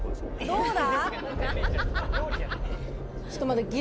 どうだ？